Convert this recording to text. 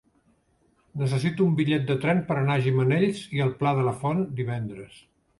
Necessito un bitllet de tren per anar a Gimenells i el Pla de la Font divendres.